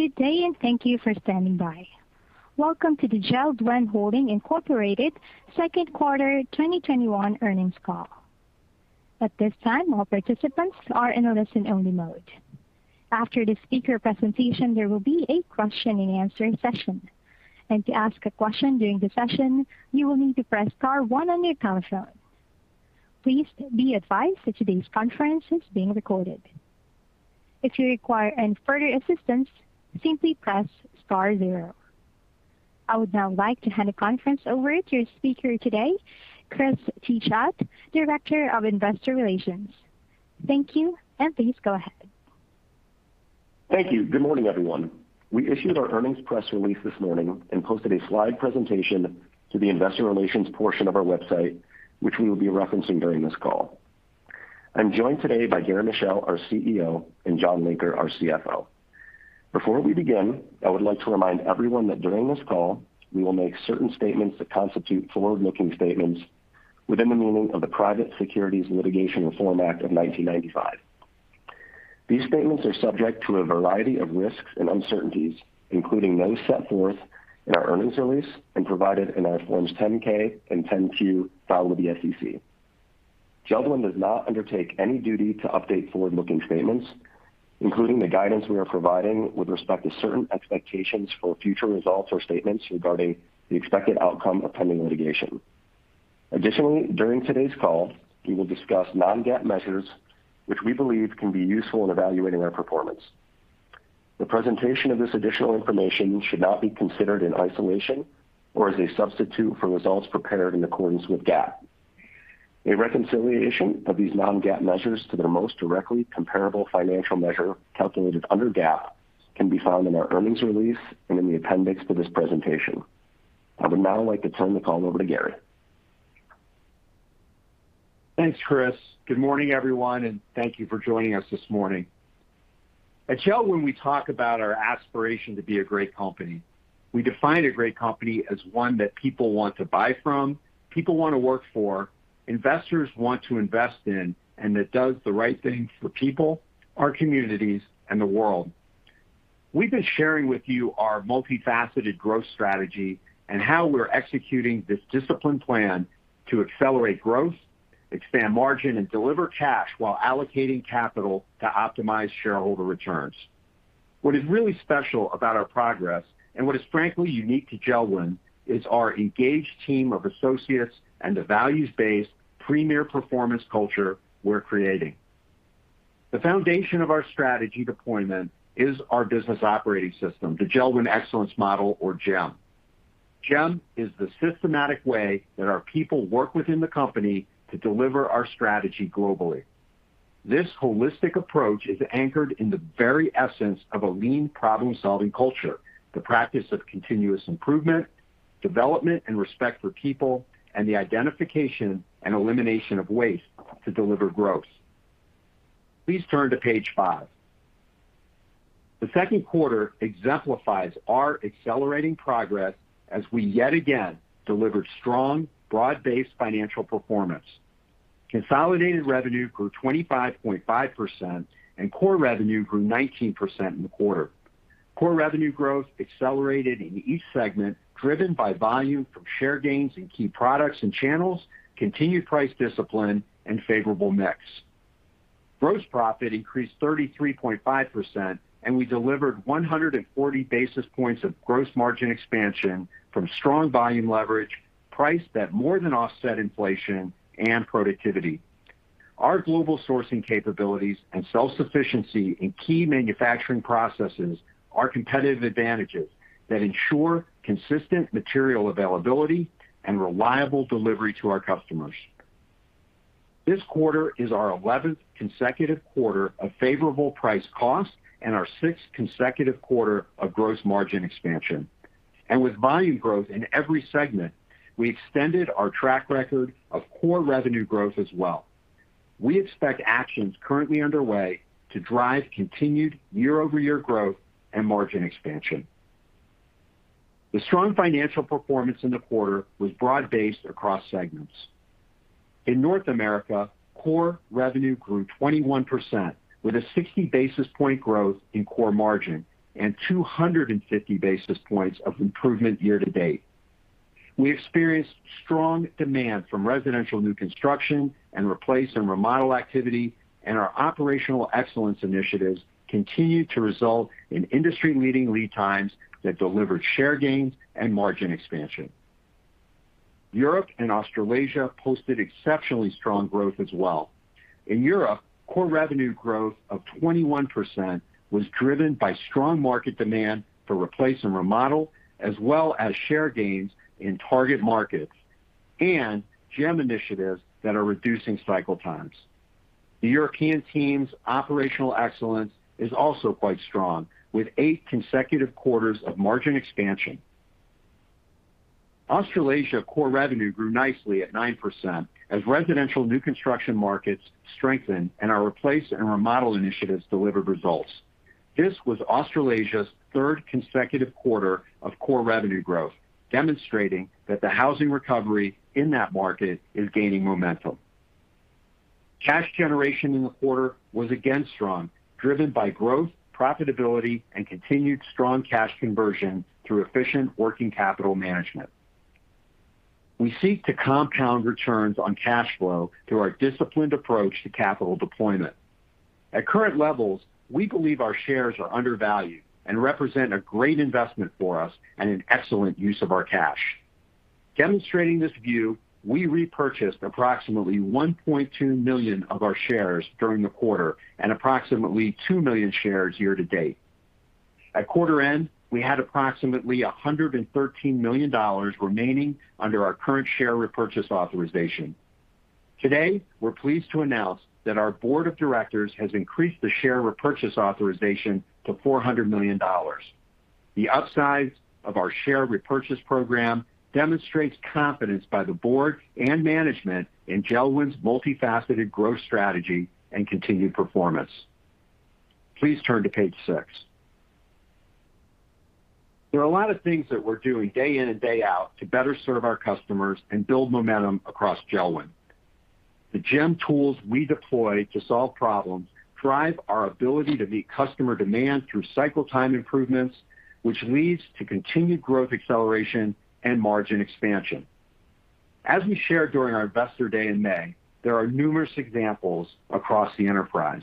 Good day, and thank you for standing by. Welcome to the JELD-WEN Holding, Inc. second quarter 2021 earnings call. At this time, all participants are in a listen-only mode. After the speaker presentation, there will be a question-and-answering session, and to ask a question during the session, you will need to press star one on your telephone. Please be advised that today's conference is being recorded. If you require any further assistance, simply press star zero. I would now like to hand the conference over to your speaker today, Chris Teachout, Director of Investor Relations. Thank you, and please go ahead. Thank you. Good morning, everyone. We issued our earnings press release this morning and posted a slide presentation to the investor relations portion of our website, which we will be referencing during this call. I'm joined today by Gary Michel, our CEO, and John Linker, our CFO. Before we begin, I would like to remind everyone that during this call, we will make certain statements that constitute forward-looking statements within the meaning of the Private Securities Litigation Reform Act of 1995. These statements are subject to a variety of risks and uncertainties, including those set forth in our earnings release and provided in our Forms 10-K and 10-Q filed with the SEC. JELD-WEN does not undertake any duty to update forward-looking statements, including the guidance we are providing with respect to certain expectations for future results or statements regarding the expected outcome of pending litigation. Additionally, during today's call, we will discuss non-GAAP measures which we believe can be useful in evaluating our performance. The presentation of this additional information should not be considered in isolation or as a substitute for results prepared in accordance with GAAP. A reconciliation of these non-GAAP measures to their most directly comparable financial measure calculated under GAAP can be found in our earnings release and in the appendix to this presentation. I would now like to turn the call over to Gary. Thanks, Chris. Good morning, everyone, and thank you for joining us this morning. At JELD-WEN, we talk about our aspiration to be a great company. We define a great company as one that people want to buy from, people want to work for, investors want to invest in, and that does the right thing for people, our communities, and the world. We've been sharing with you our multifaceted growth strategy and how we're executing this disciplined plan to accelerate growth, expand margin, and deliver cash while allocating capital to optimize shareholder returns. What is really special about our progress, and what is frankly unique to JELD-WEN, is our engaged team of associates and the values-based premier performance culture we're creating. The foundation of our strategy deployment is our business operating system, the JELD-WEN Excellence Model, or JEM. JEM is the systematic way that our people work within the company to deliver our strategy globally. This holistic approach is anchored in the very essence of a lean problem-solving culture, the practice of continuous improvement, development, and respect for people, and the identification and elimination of waste to deliver growth. Please turn to page 5. The second quarter exemplifies our accelerating progress as we yet again delivered strong, broad-based financial performance. Consolidated revenue grew 25.5%, and core revenue grew 19% in the quarter. Core revenue growth accelerated in each segment, driven by volume from share gains in key products and channels, continued price discipline, and favorable mix. Gross profit increased 33.5%, and we delivered 140 basis points of gross margin expansion from strong volume leverage, price that more than offset inflation, and productivity. Our global sourcing capabilities and self-sufficiency in key manufacturing processes are competitive advantages that ensure consistent material availability and reliable delivery to our customers. This quarter is our 11th consecutive quarter of favorable price cost and our sixth consecutive quarter of gross margin expansion. With volume growth in every segment, we extended our track record of core revenue growth as well. We expect actions currently underway to drive continued year-over-year growth and margin expansion. The strong financial performance in the quarter was broad-based across segments. In North America, core revenue grew 21%, with a 60-basis-point growth in core margin and 250 basis points of improvement year-to-date. We experienced strong demand from residential new construction and replace and remodel activity, and our operational excellence initiatives continued to result in industry-leading lead times that delivered share gains and margin expansion. Europe and Australasia posted exceptionally strong growth as well. In Europe, core revenue growth of 21% was driven by strong market demand for replace and remodel, as well as share gains in target markets and JEM initiatives that are reducing cycle times. The European team's operational excellence is also quite strong, with eight consecutive quarters of margin expansion. Australasia core revenue grew nicely at 9% as residential new construction markets strengthened and our replace and remodel initiatives delivered results. This was Australasia's third consecutive quarter of core revenue growth, demonstrating that the housing recovery in that market is gaining momentum. Cash generation in the quarter was again strong, driven by growth, profitability, and continued strong cash conversion through efficient working capital management. We seek to compound returns on cash flow through our disciplined approach to capital deployment. At current levels, we believe our shares are undervalued and represent a great investment for us and an excellent use of our cash. Demonstrating this view, we repurchased approximately 1.2 million of our shares during the quarter and approximately 2 million shares year-to-date. At quarter end, we had approximately $113 million remaining under our current share repurchase authorization. Today, we're pleased to announce that our board of directors has increased the share repurchase authorization to $400 million. The upside of our share repurchase program demonstrates confidence by the board and management in JELD-WEN's multifaceted growth strategy and continued performance. Please turn to page 6. There are a lot of things that we're doing day in and day out to better serve our customers and build momentum across JELD-WEN. The JEM tools we deploy to solve problems drive our ability to meet customer demand through cycle time improvements, which leads to continued growth acceleration and margin expansion. As we shared during our Investor Day in May, there are numerous examples across the enterprise.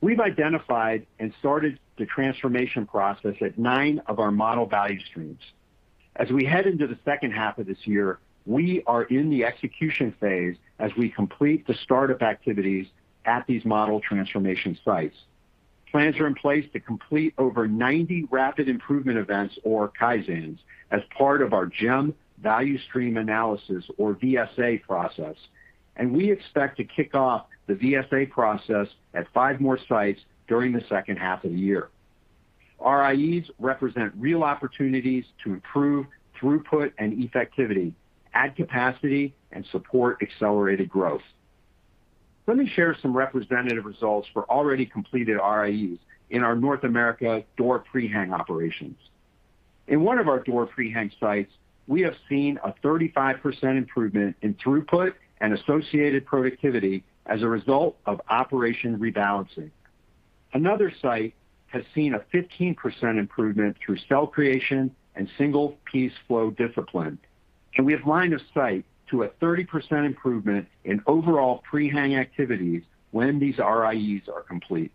We've identified and started the transformation process at nine of our model value streams. As we head into the second half of this year, we are in the execution phase as we complete the startup activities at these model transformation sites. Plans are in place to complete over 90 rapid improvement events, or Kaizens, as part of our JEM Value Stream Analysis, or VSA process, and we expect to kick off the VSA process at five more sites during the second half of the year. RIEs represent real opportunities to improve throughput and effectivity, add capacity, and support accelerated growth. Let me share some representative results for already completed RIEs in our North America door prehang operations. In one of our door prehang sites, we have seen a 35% improvement in throughput and associated productivity as a result of operation rebalancing. Another site has seen a 15% improvement through cell creation and single piece flow discipline. We have line of sight to a 30% improvement in overall prehang activities when these RIEs are complete.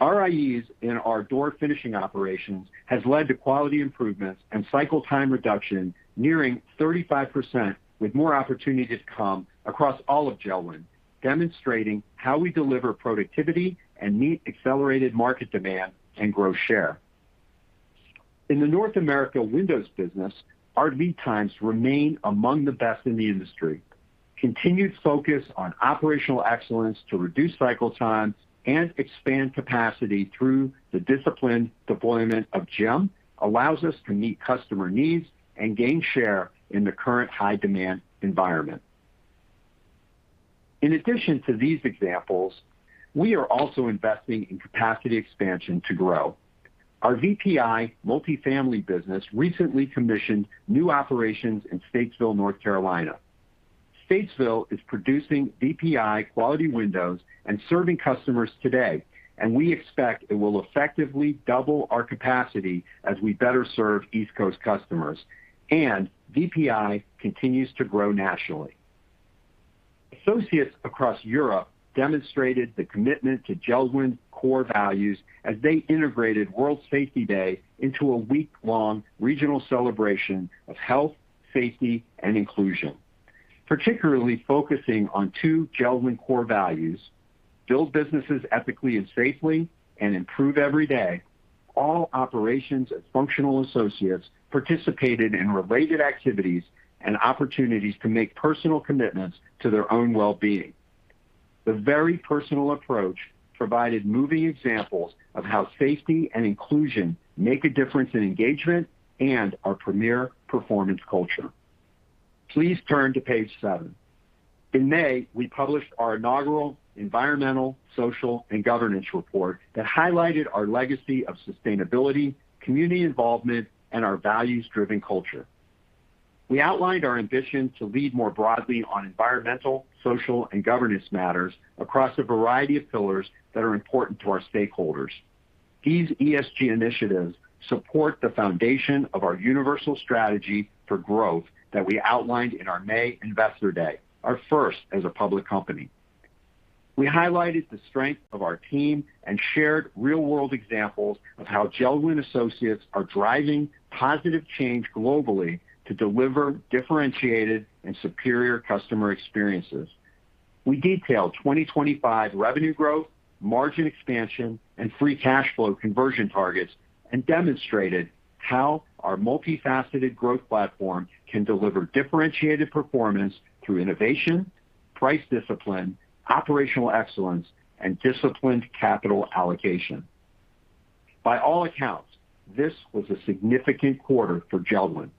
RIEs in our door finishing operations has led to quality improvements and cycle time reduction nearing 35%, with more opportunity to come across all of JELD-WEN, demonstrating how we deliver productivity and meet accelerated market demand and grow share. In the North America windows business, our lead times remain among the best in the industry. Continued focus on operational excellence to reduce cycle times and expand capacity through the disciplined deployment of JEM allows us to meet customer needs and gain share in the current high-demand environment. In addition to these examples, we are also investing in capacity expansion to grow. Our VPI multifamily business recently commissioned new operations in Statesville, North Carolina. Statesville is producing VPI Quality Windows and serving customers today. We expect it will effectively double our capacity as we better serve East Coast customers. VPI continues to grow nationally. Associates across Europe demonstrated the commitment to JELD-WEN's core values as they integrated World Safety Day into a week-long regional celebration of health, safety, and inclusion. Particularly focusing on two JELD-WEN core values, build businesses ethically and safely, and improve every day, all operations and functional associates participated in related activities and opportunities to make personal commitments to their own wellbeing. The very personal approach provided moving examples of how safety and inclusion make a difference in engagement and our premier performance culture. Please turn to page 7. In May, we published our inaugural environmental, social, and governance report that highlighted our legacy of sustainability, community involvement, and our values-driven culture. We outlined our ambition to lead more broadly on environmental, social, and governance matters across a variety of pillars that are important to our stakeholders. These ESG initiatives support the foundation of our universal strategy for growth that we outlined in our May Investor Day, our first as a public company. We highlighted the strength of our team and shared real-world examples of how JELD-WEN associates are driving positive change globally to deliver differentiated and superior customer experiences. We detailed 2025 revenue growth, margin expansion, and free cash flow conversion targets and demonstrated how our multifaceted growth platform can deliver differentiated performance through innovation, price discipline, operational excellence, and disciplined capital allocation. By all accounts, this was a significant quarter for JELD-WEN.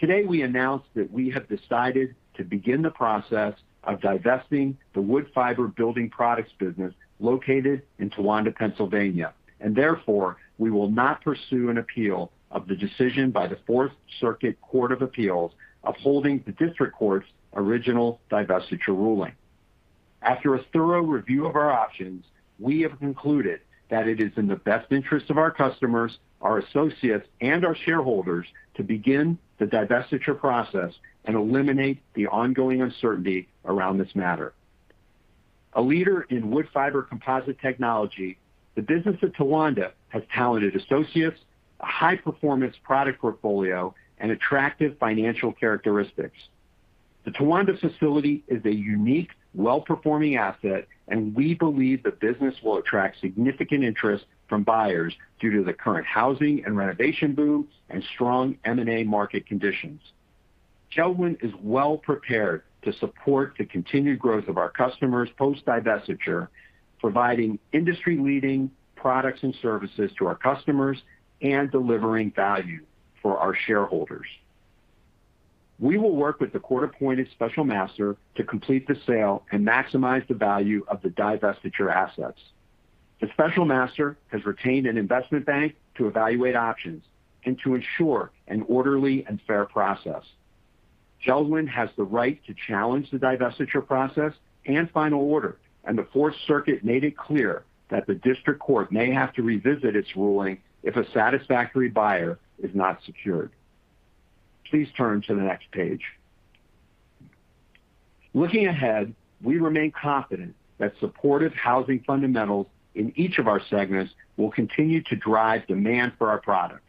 Today, we announced that we have decided to begin the process of divesting the wood fiber building products business located in Towanda, Pennsylvania, and therefore, we will not pursue an appeal of the decision by the Fourth Circuit Court of Appeals upholding the district court's original divestiture ruling. After a thorough review of our options, we have concluded that it is in the best interest of our customers, our associates, and our shareholders to begin the divestiture process and eliminate the ongoing uncertainty around this matter. A leader in wood fiber composite technology, the business of Towanda has talented associates, a high-performance product portfolio, and attractive financial characteristics. The Towanda facility is a unique, well-performing asset, and we believe the business will attract significant interest from buyers due to the current housing and renovation boom and strong M&A market conditions. JELD-WEN is well-prepared to support the continued growth of our customers post-divestiture, providing industry-leading products and services to our customers and delivering value for our shareholders. We will work with the court-appointed special master to complete the sale and maximize the value of the divestiture assets. The special master has retained an investment bank to evaluate options and to ensure an orderly and fair process. JELD-WEN has the right to challenge the divestiture process and final order, and the Fourth Circuit made it clear that the district court may have to revisit its ruling if a satisfactory buyer is not secured. Please turn to the next page. Looking ahead, we remain confident that supportive housing fundamentals in each of our segments will continue to drive demand for our products.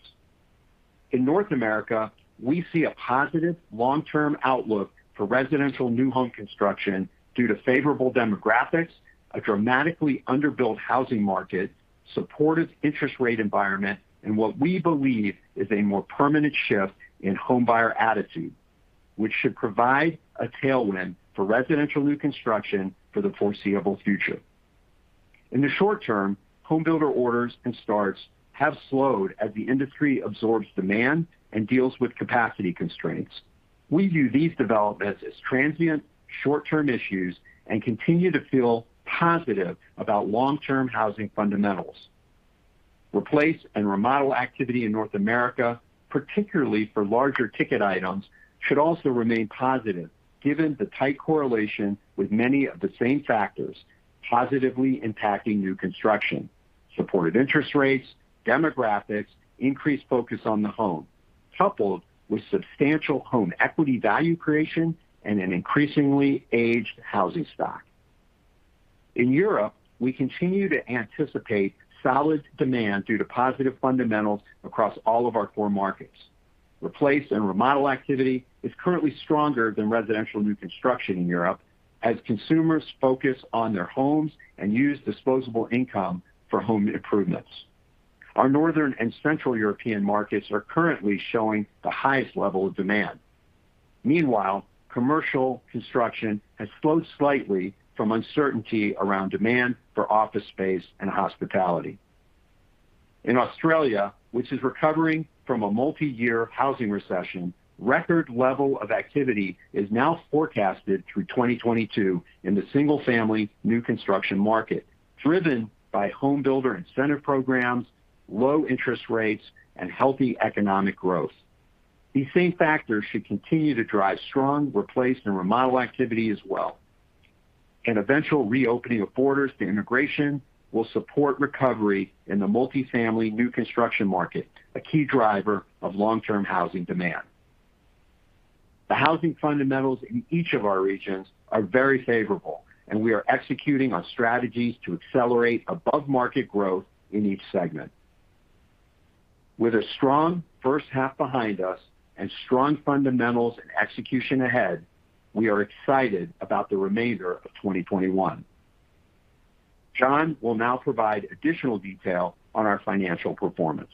In North America, we see a positive long-term outlook for residential new home construction due to favorable demographics, a dramatically under-built housing market, supportive interest rate environment, and what we believe is a more permanent shift in homebuyer attitude, which should provide a tailwind for residential new construction for the foreseeable future. In the short term, home builder orders and starts have slowed as the industry absorbs demand and deals with capacity constraints. We view these developments as transient short-term issues and continue to feel positive about long-term housing fundamentals. Replace and remodel activity in North America, particularly for larger ticket items, should also remain positive given the tight correlation with many of the same factors positively impacting new construction, supportive interest rates, demographics, increased focus on the home, coupled with substantial home equity value creation and an increasingly aged housing stock. In Europe, we continue to anticipate solid demand due to positive fundamentals across all of our core markets. Replace and remodel activity is currently stronger than residential new construction in Europe as consumers focus on their homes and use disposable income for home improvements. Our Northern and Central European markets are currently showing the highest level of demand. Meanwhile, commercial construction has slowed slightly from uncertainty around demand for office space and hospitality. In Australia, which is recovering from a multi-year housing recession, record level of activity is now forecasted through 2022 in the single-family new construction market, driven by home builder incentive programs, low interest rates, and healthy economic growth. These same factors should continue to drive strong replace and remodel activity as well. An eventual reopening of borders to integration will support recovery in the multi-family new construction market, a key driver of long-term housing demand. The housing fundamentals in each of our regions are very favorable, and we are executing our strategies to accelerate above-market growth in each segment. With a strong first half behind us and strong fundamentals and execution ahead, we are excited about the remainder of 2021. John Linker will now provide additional detail on our financial performance.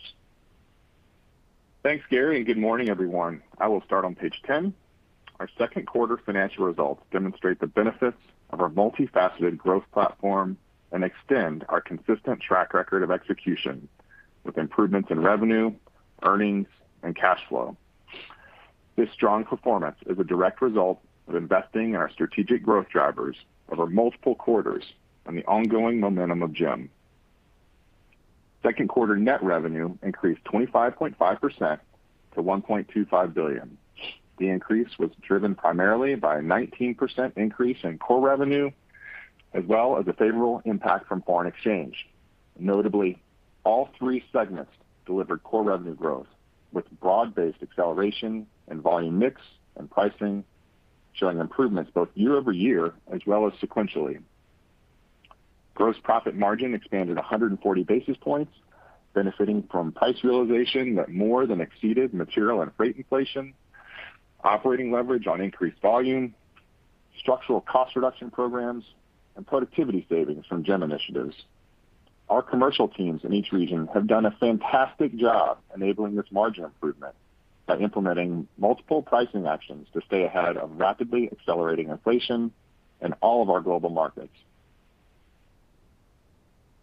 Thanks, Gary, and good morning, everyone. I will start on page 10. Our second quarter financial results demonstrate the benefits of our multifaceted growth platform and extend our consistent track record of execution with improvements in revenue, earnings, and cash flow. This strong performance is a direct result of investing in our strategic growth drivers over multiple quarters and the ongoing momentum of JEM. Second quarter net revenue increased 25.5% to $1.25 billion. The increase was driven primarily by a 19% increase in core revenue, as well as a favorable impact from foreign exchange. Notably, all three segments delivered core revenue growth, with broad-based acceleration in volume mix and pricing, showing improvements both year-over-year as well as sequentially. Gross profit margin expanded 140 basis points, benefiting from price realization that more than exceeded material and freight inflation, operating leverage on increased volume, structural cost reduction programs, and productivity savings from JEM initiatives. Our commercial teams in each region have done a fantastic job enabling this margin improvement by implementing multiple pricing actions to stay ahead of rapidly accelerating inflation in all of our global markets.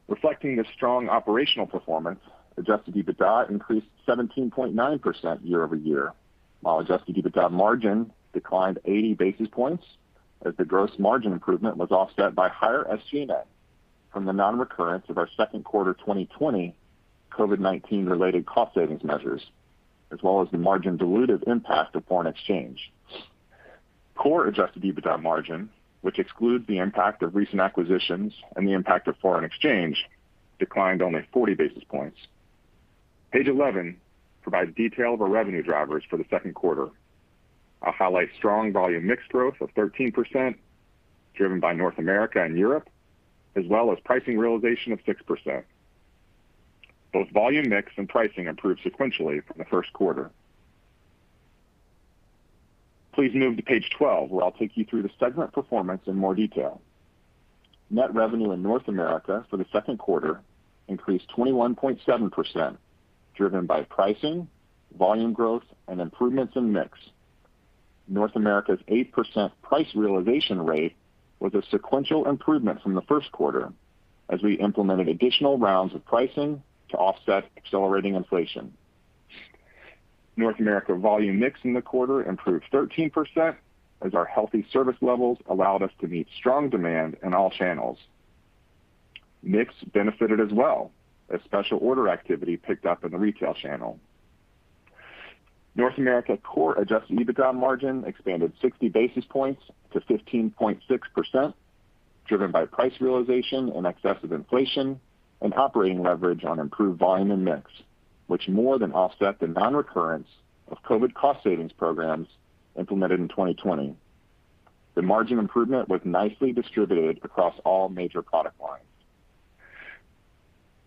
Reflecting a strong operational performance, Adjusted EBITDA increased 17.9% year-over-year, while Adjusted EBITDA margin declined 80 basis points as the gross margin improvement was offset by higher SG&A from the non-recurrence of our second quarter 2020 COVID-19-related cost savings measures, as well as the margin dilutive impact of foreign exchange. Core Adjusted EBITDA margin, which excludes the impact of recent acquisitions and the impact of foreign exchange, declined only 40 basis points. Page 11 provides detail of our revenue drivers for the second quarter. I'll highlight strong volume mix growth of 13%, driven by North America and Europe, as well as pricing realization of 6%. Both volume mix and pricing improved sequentially from the first quarter. Please move to page 12, where I'll take you through the segment performance in more detail. Net revenue in North America for the second quarter increased 21.7%, driven by pricing, volume growth, and improvements in mix. North America's 8% price realization rate was a sequential improvement from the first quarter as we implemented additional rounds of pricing to offset accelerating inflation. North America volume mix in the quarter improved 13% as our healthy service levels allowed us to meet strong demand in all channels. Mix benefited as well as special order activity picked up in the retail channel. North America core Adjusted EBITDA margin expanded 60 basis points to 15.6%, driven by price realization in excess of inflation and operating leverage on improved volume and mix, which more than offset the non-recurrence of COVID cost savings programs implemented in 2020. The margin improvement was nicely distributed across all major product lines.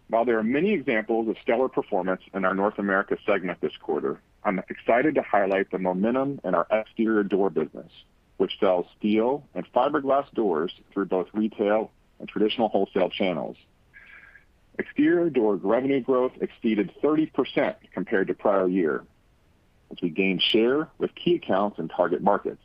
While there are many examples of stellar performance in our North America segment this quarter, I'm excited to highlight the momentum in our exterior door business, which sells steel and fiberglass doors through both retail and traditional wholesale channels. Extira door revenue growth exceeded 30% compared to prior year as we gained share with key accounts in target markets.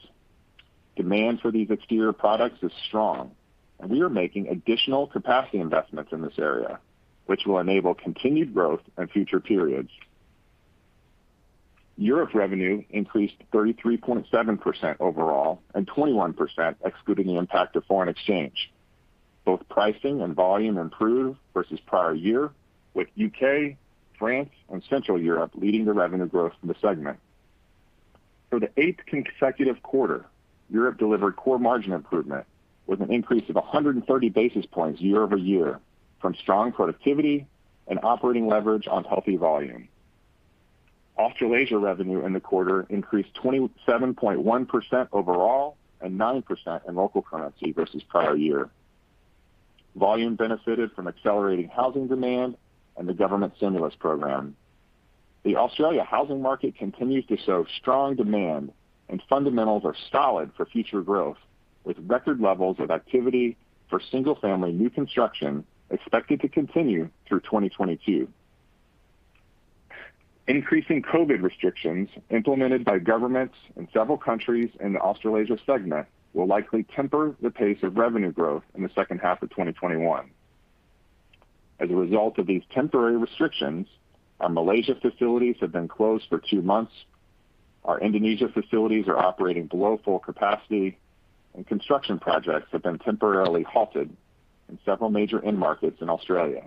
Demand for these exterior products is strong, and we are making additional capacity investments in this area, which will enable continued growth in future periods. Europe revenue increased 33.7% overall and 21% excluding the impact of foreign exchange. Both pricing and volume improved versus prior year with U.K., France, and Central Europe leading the revenue growth in the segment. For the eighth consecutive quarter, Europe delivered core margin improvement with an increase of 130 basis points year-over-year from strong productivity and operating leverage on healthy volume. Australasia revenue in the quarter increased 27.1% overall and 9% in local currency versus prior year. Volume benefited from accelerating housing demand and the government stimulus program. The Australia housing market continues to show strong demand and fundamentals are solid for future growth, with record levels of activity for single-family new construction expected to continue through 2022. Increasing COVID restrictions implemented by governments in several countries in the Australasia segment will likely temper the pace of revenue growth in the second half of 2021. As a result of these temporary restrictions, our Malaysia facilities have been closed for two months, our Indonesia facilities are operating below full capacity, and construction projects have been temporarily halted in several major end markets in Australia.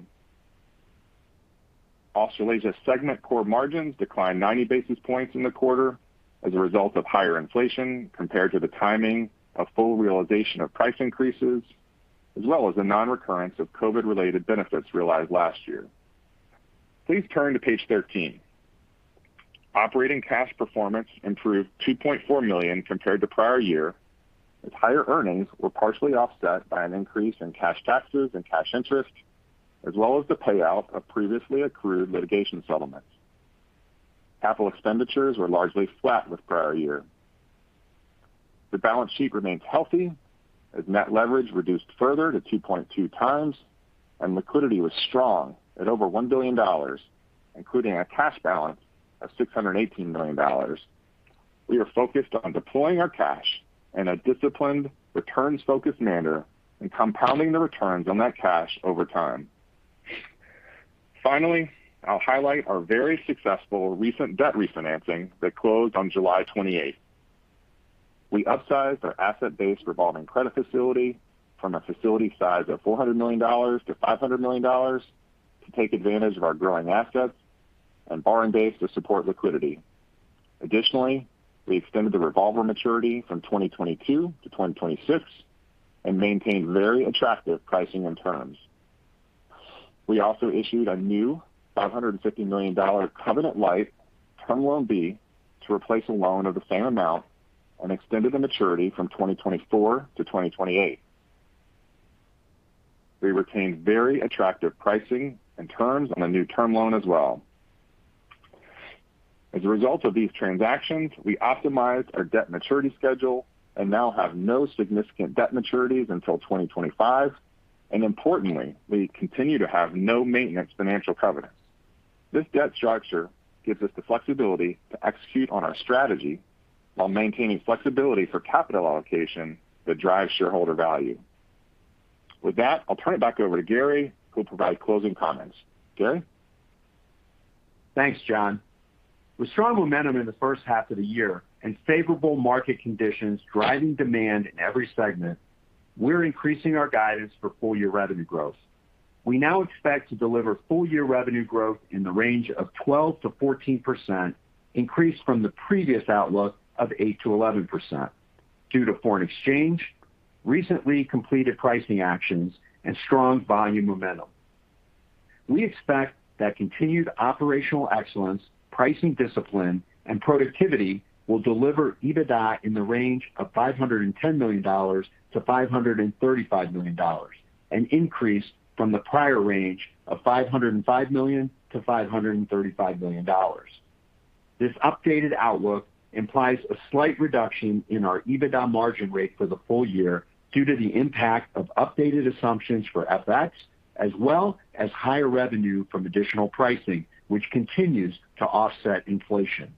Australasia segment core margins declined 90 basis points in the quarter as a result of higher inflation compared to the timing of full realization of price increases, as well as the non-recurrence of COVID-related benefits realized last year. Please turn to page 13. Operating cash performance improved $2.4 million compared to prior year, as higher earnings were partially offset by an increase in cash taxes and cash interest, as well as the payout of previously accrued litigation settlements. Capital expenditures were largely flat with prior year. The balance sheet remains healthy as net leverage reduced further to 2.2x, and liquidity was strong at over $1 billion, including a cash balance of $618 million. We are focused on deploying our cash in a disciplined, returns-focused manner and compounding the returns on that cash over time. Finally, I'll highlight our very successful recent debt refinancing that closed on July 28th. We upsized our asset-based revolving credit facility from a facility size of $400 million to $500 million to take advantage of our growing assets and borrowing base to support liquidity. Additionally, we extended the revolver maturity from 2022 to 2026 and maintained very attractive pricing and terms. We also issued a new $550 million covenant light Term Loan B to replace a loan of the same amount and extended the maturity from 2024 to 2028. We retained very attractive pricing and terms on the new term loan as well. As a result of these transactions, we optimized our debt maturity schedule and now have no significant debt maturities until 2025, and importantly, we continue to have no maintenance financial covenants. This debt structure gives us the flexibility to execute on our strategy while maintaining flexibility for capital allocation that drives shareholder value. With that, I'll turn it back over to Gary, who will provide closing comments. Gary? Thanks, John. With strong momentum in the first half of the year and favorable market conditions driving demand in every segment, we're increasing our guidance for full-year revenue growth. We now expect to deliver full-year revenue growth in the range of 12%-14%, increased from the previous outlook of 8%-11%, due to foreign exchange, recently completed pricing actions, and strong volume momentum. We expect that continued operational excellence, pricing discipline, and productivity will deliver EBITDA in the range of $510 million-$535 million, an increase from the prior range of $505 million-$535 million. This updated outlook implies a slight reduction in our EBITDA margin rate for the full year due to the impact of updated assumptions for FX as well as higher revenue from additional pricing, which continues to offset inflation.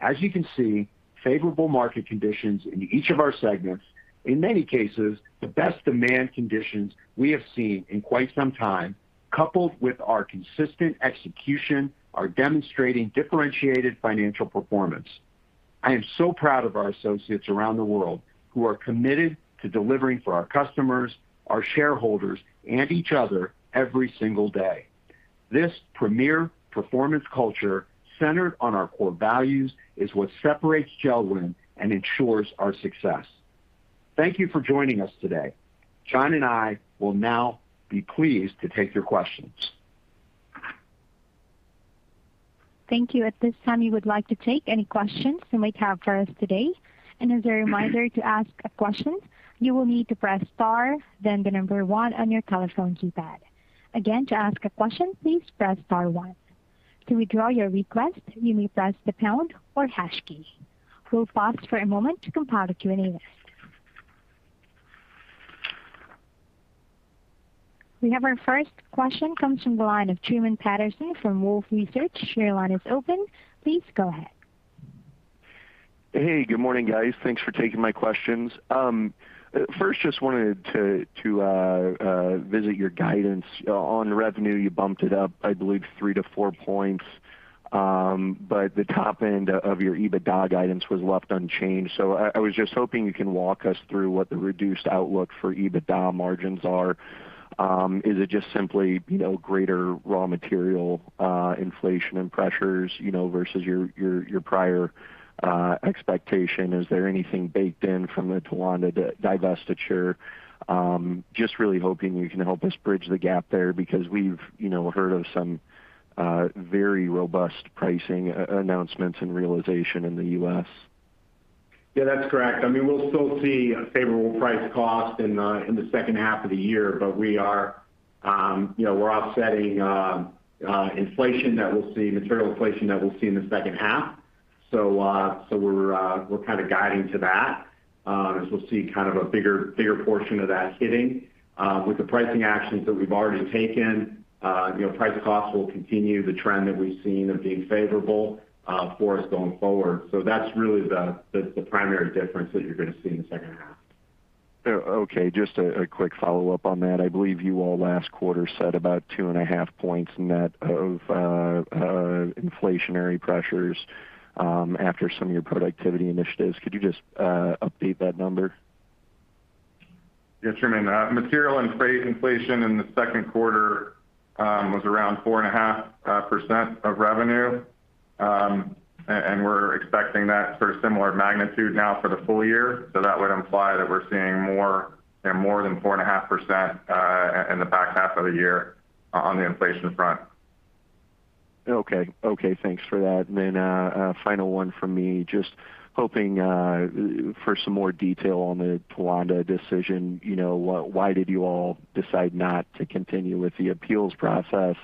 As you can see, favorable market conditions in each of our segments, in many cases, the best demand conditions we have seen in quite some time, coupled with our consistent execution, are demonstrating differentiated financial performance. I am so proud of our associates around the world who are committed to delivering for our customers, our shareholders, and each other every single day. This premier performance culture centered on our core values is what separates JELD-WEN and ensures our success. Thank you for joining us today. John and I will now be pleased to take your questions. Thank you. We have our first question, comes from the line of Truman Patterson from Wolfe Research. Your line is open. Please go ahead. Good morning, guys. Thanks for taking my questions. First, just wanted to visit your guidance on revenue. You bumped it up, I believe, three to four points. The top end of your EBITDA guidance was left unchanged. I was just hoping you can walk us through what the reduced outlook for EBITDA margins are. Is it just simply greater raw material inflation and pressures versus your prior expectation? Is there anything baked in from the Towanda divestiture? Just really hoping you can help us bridge the gap there because we've heard of some very robust pricing announcements and realization in the U.S. Yeah, that's correct. We'll still see favorable price cost in the second half of the year. We're offsetting inflation that we'll see, material inflation that we'll see in the second half. We're kind of guiding to that as we'll see kind of a bigger portion of that hitting. With the pricing actions that we've already taken, price costs will continue the trend that we've seen of being favorable for us going forward. That's really the primary difference that you're going to see in the second half. Okay, just a quick follow-up on that. I believe you all last quarter said about 2.5 points net of inflationary pressures after some of your productivity initiatives. Could you just update that number? Yeah, Truman. Material and freight inflation in the second quarter was around 4.5% of revenue. We're expecting that sort of similar magnitude now for the full year. That would imply that we're seeing more than 4.5% in the back half of the year on the inflation front. Okay. Thanks for that. A final one from me, just hoping for some more detail on the Towanda decision. Why did you all decide not to continue with the appeals process?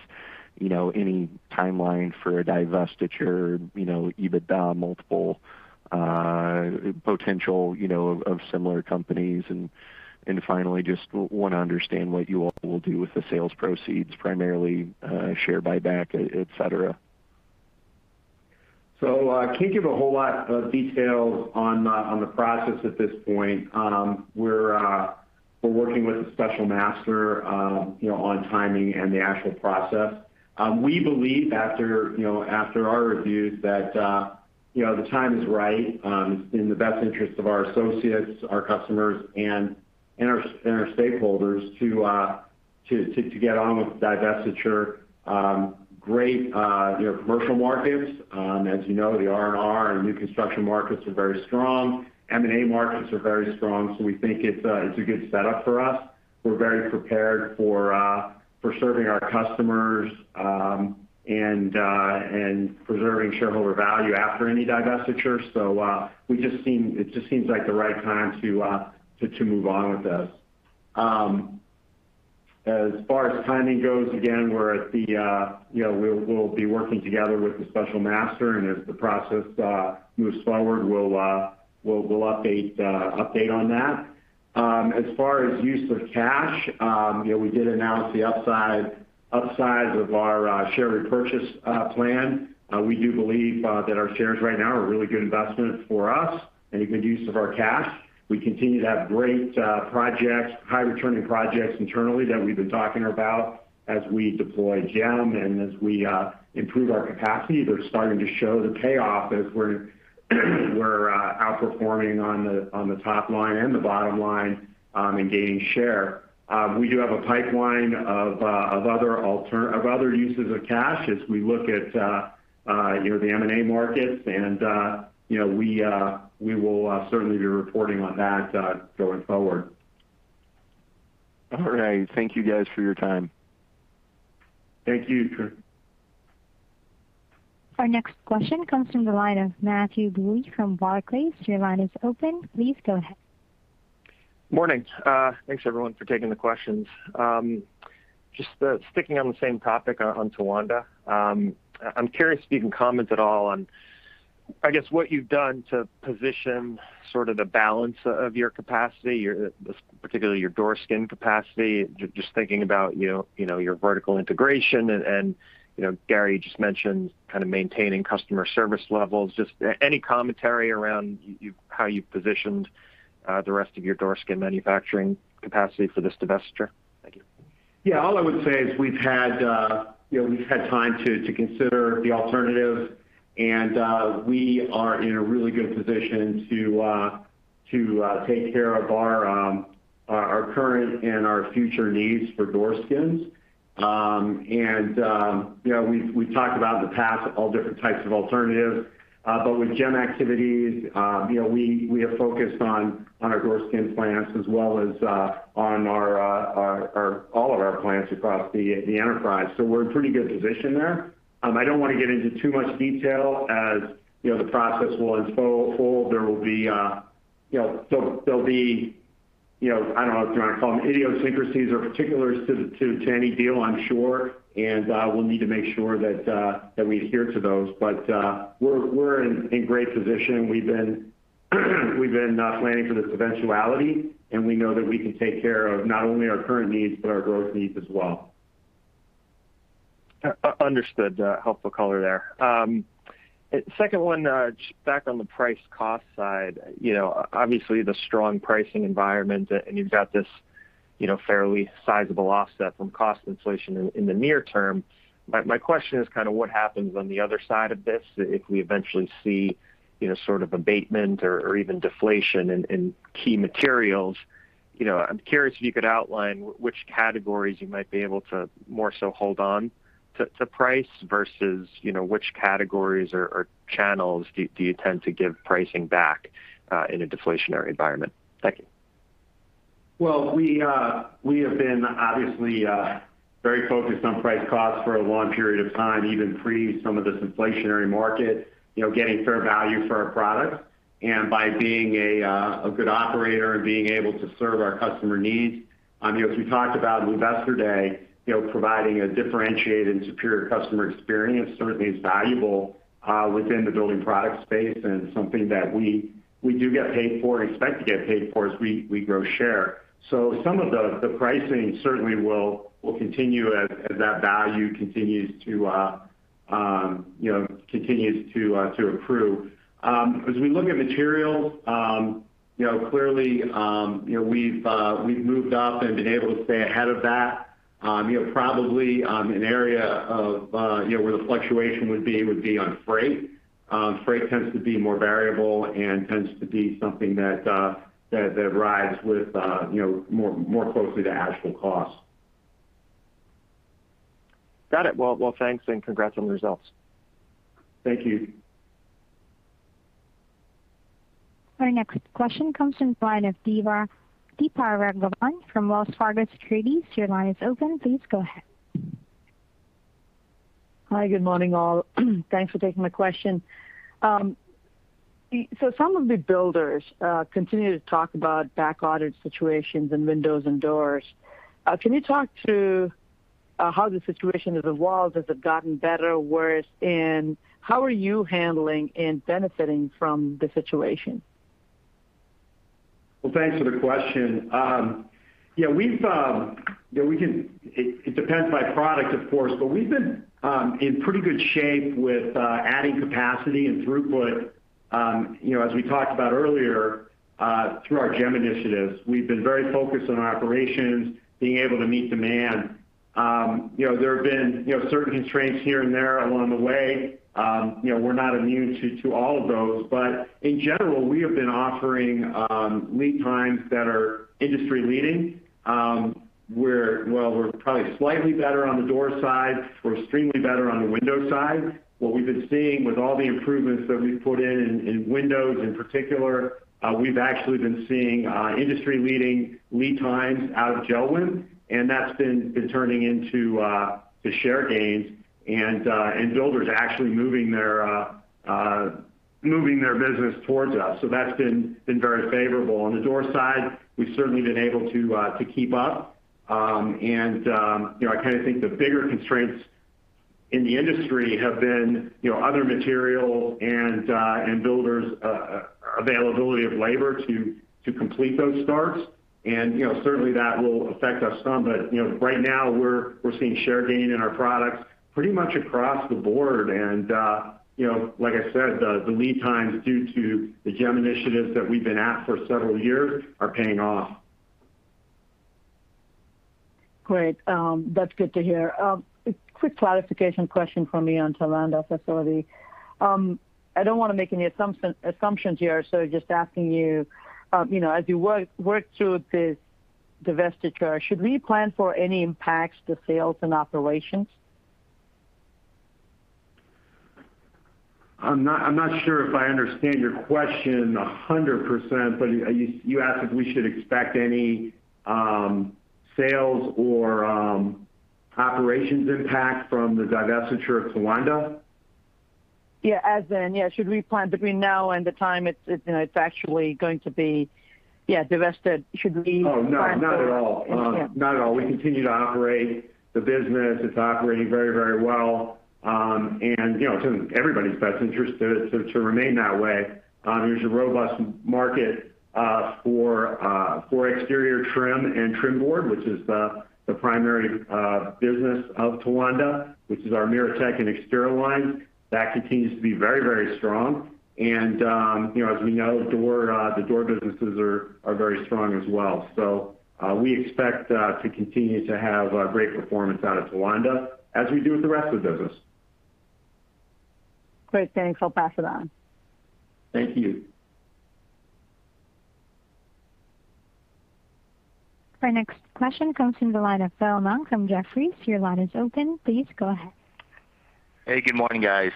Any timeline for a divestiture? EBITDA multiple potential of similar companies? Finally, just want to understand what you all will do with the sales proceeds, primarily share buyback, et cetera. I can't give a whole lot of detail on the process at this point. We're working with a special master on timing and the actual process. We believe after our reviews that the time is right. It's in the best interest of our associates, our customers, and our stakeholders to get on with the divestiture. Great commercial markets. As you know, the R&R and new construction markets are very strong. M&A markets are very strong. We think it's a good setup for us. We're very prepared for serving our customers and preserving shareholder value after any divestiture. It just seems like the right time to move on with this. As far as timing goes, again, we'll be working together with the special master, and as the process moves forward, we'll update on that. As far as use of cash, we did announce the upside of our share repurchase plan. We do believe that our shares right now are a really good investment for us and a good use of our cash. We continue to have great projects, high-returning projects internally that we've been talking about as we deploy JEM and as we improve our capacity. They're starting to show the payoff as we're outperforming on the top line and the bottom line and gaining share. We do have a pipeline of other uses of cash as we look at the M&A markets, and we will certainly be reporting on that going forward. All right. Thank you guys for your time. Thank you, Tru. Our next question comes from the line of Matthew Bouley from Barclays. Your line is open. Please go ahead. Morning. Thanks everyone for taking the questions. Just sticking on the same topic on Towanda. I'm curious if you can comment at all on, I guess, what you've done to position sort of the balance of your capacity, particularly your door skin capacity. Just thinking about your vertical integration and Gary just mentioned kind of maintaining customer service levels. Just any commentary around how you positioned the rest of your door skin manufacturing capacity for this divestiture? Thank you. Yeah, all I would say is we've had time to consider the alternatives and we are in a really good position to take care of our current and our future needs for door skins. We've talked about in the past all different types of alternatives. With JEM activities we have focused on our door skin plants as well as on all of our plants across the enterprise. We're in pretty good position there. I don't want to get into too much detail as the process will unfold. There'll be, I don't know if you want to call them idiosyncrasies or particulars to any deal, I'm sure, and we'll need to make sure that we adhere to those. We're in great position. We've been planning for this eventuality, and we know that we can take care of not only our current needs, but our growth needs as well. Understood. Helpful color there. Second one, just back on the price-cost side. Obviously the strong pricing environment, and you've got this fairly sizable offset from cost inflation in the near term. My question is kind of what happens on the other side of this if we eventually see sort of abatement or even deflation in key materials? I'm curious if you could outline which categories you might be able to more so hold on to price versus which categories or channels do you tend to give pricing back in a deflationary environment? Thank you. We have been obviously very focused on price cost for a long period of time, even pre some of this inflationary market, getting fair value for our products and by being a good operator and being able to serve our customer needs. As we talked about Investor Day, providing a differentiated and superior customer experience certainly is valuable within the building product space and something that we do get paid for and expect to get paid for as we grow share. Some of the pricing certainly will continue as that value continues to improve. As we look at materials clearly we've moved up and been able to stay ahead of that. Probably an area of where the fluctuation would be, would be on freight. Freight tends to be more variable and tends to be something that rides with more closely to actual cost. Got it. Well, thanks and congrats on the results. Thank you. Our next question comes from the line of Deepa Raghavan from Wells Fargo Securities. Your line is open. Please go ahead. Hi. Good morning all. Thanks for taking my question. Some of the builders continue to talk about backlogged situations in windows and doors. Can you talk through how the situation has evolved? Has it gotten better or worse, and how are you handling and benefiting from the situation? Thanks for the question. It depends by product, of course, but we've been in pretty good shape with adding capacity and throughput. As we talked about earlier, through our JEM initiatives, we've been very focused on our operations, being able to meet demand. There have been certain constraints here and there along the way. We're not immune to all of those, but in general, we have been offering lead times that are industry leading. While we're probably slightly better on the door side, we're extremely better on the window side. What we've been seeing with all the improvements that we've put in windows in particular, we've actually been seeing industry leading lead times out of JELD-WEN, and that's been turning into share gains and builders actually moving their business towards us. That's been very favorable. On the door side, we've certainly been able to keep up. I kind of think the bigger constraints in the industry have been other material and builders availability of labor to complete those starts. Certainly that will affect us some. Right now we're seeing share gain in our products pretty much across the board. Like I said, the lead times due to the JEM initiatives that we've been at for several years are paying off. Great. That's good to hear. A quick clarification question from me on Towanda facility. I don't want to make any assumptions here, so just asking you as you work through this divestiture, should we plan for any impacts to sales and operations? I'm not sure if I understand your question 100%, but you asked if we should expect any sales or operations impact from the divestiture of Towanda? Yeah. As in, should we plan between now and the time it's actually going to be divested? Should we plan? Oh, no. Not at all. We continue to operate the business. It's operating very well. It's in everybody's best interest to remain that way. There's a robust market for exterior trim and trim board, which is the primary business of Towanda, which is our MiraTEC and Extira lines. That continues to be very strong. As we know, the door businesses are very strong as well. We expect to continue to have great performance out of Towanda, as we do with the rest of the business. Great. Thanks. I'll pass it on. Thank you. Our next question comes from the line of Philip Ng from Jefferies. Your line is open. Please go ahead. Hey, good morning, guys.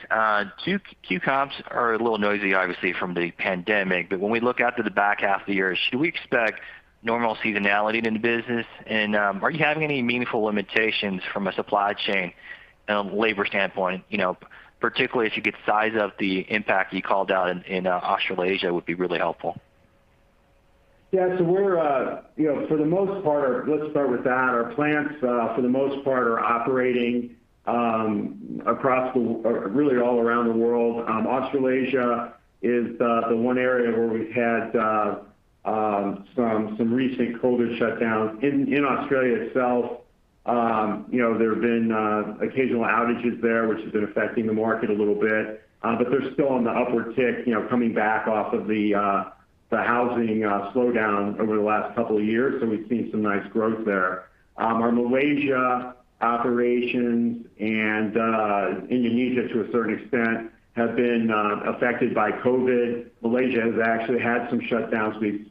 Q comps are a little noisy, obviously, from the pandemic. When we look out to the back half of the year, should we expect normal seasonality in the business? Are you having any meaningful limitations from a supply chain and labor standpoint? Particularly if you could size up the impact you called out in Australasia, would be really helpful. Let's start with that. Our plants, for the most part, are operating really all around the world. Australasia is the one area where we've had some recent COVID shutdowns. In Australia itself, there have been occasional outages there, which has been affecting the market a little bit. They're still on the upward tick, coming back off of the housing slowdown over the last couple of years. We've seen some nice growth there. Our Malaysia operations and Indonesia, to a certain extent, have been affected by COVID. Malaysia has actually had some shutdowns. We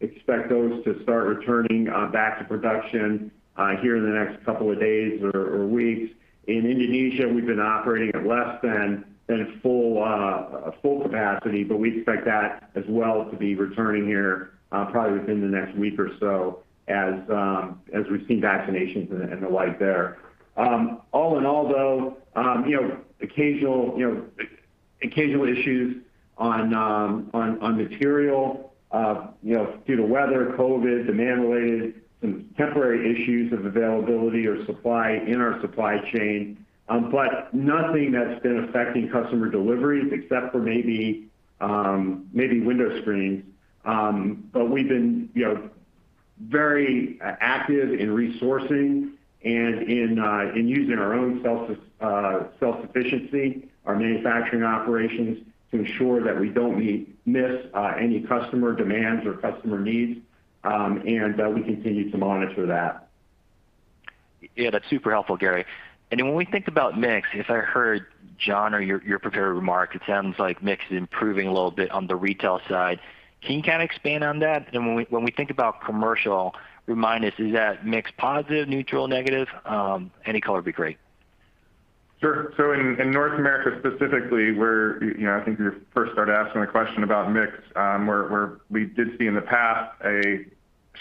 expect those to start returning back to production here in the next couple of days or weeks. In Indonesia, we've been operating at less than full capacity, but we expect that as well to be returning here probably within the next week or so as we've seen vaccinations and the like there. All in all, though, occasional issues on material due to weather, COVID-19, demand related, some temporary issues of availability or supply in our supply chain. Nothing that's been affecting customer deliveries except for maybe window screens. We've been very active in resourcing and in using our own self-sufficiency, our manufacturing operations, to ensure that we don't miss any customer demands or customer needs. We continue to monitor that. Yeah. That's super helpful, Gary. When we think about mix, if I heard John or your prepared remarks, it sounds like mix is improving a little bit on the retail side. Can you expand on that? When we think about commercial, remind us, is that mix positive, neutral, negative? Any color would be great. Sure. In North America specifically, where I think you first started asking the question about mix, where we did see in the past a